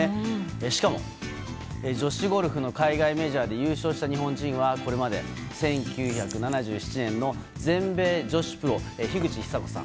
しかも、女子ゴルフの海外メジャーで優勝した日本人はこれまで１９７７年の全米女子プロ樋口久子さん。